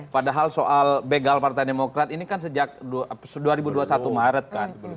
padahal soal begal partai demokrat ini kan sejak dua ribu dua puluh satu maret kan